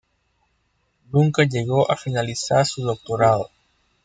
Nunca llegó a finalizar su doctorado.